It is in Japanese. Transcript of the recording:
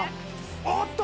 おっと！